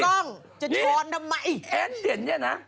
นี้เอนเสธเนี่ยนะ